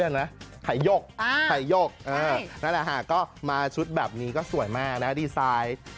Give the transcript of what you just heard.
นั่นแหละฮะก็มาชุดแบบนี้ก็สวยมากนะดีไซน์